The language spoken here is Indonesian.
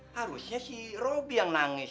harusnya si roby yang nangis